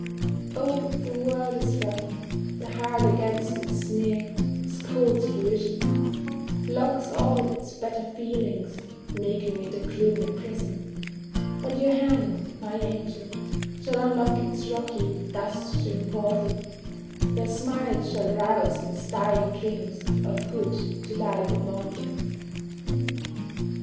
Oh, the world is rough; the heart against its sneers, its cold derision, Locks all its better feelings, making it a gloomy prison; But your hand, my angel, shall unlock its rocky, dust strewn portal, Your smile shall rouse its dying dreams of good to life immortal.